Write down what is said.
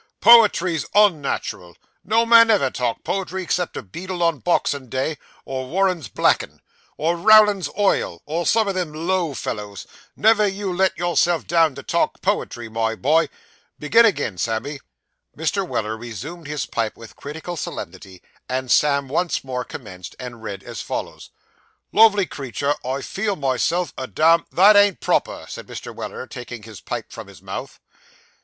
'Poetry's unnat'ral; no man ever talked poetry 'cept a beadle on boxin' day, or Warren's blackin', or Rowland's oil, or some of them low fellows; never you let yourself down to talk poetry, my boy. Begin agin, Sammy.' Mr. Weller resumed his pipe with critical solemnity, and Sam once more commenced, and read as follows: '"Lovely creetur I feel myself a damned "' That ain't proper,' said Mr. Weller, taking his pipe from his mouth.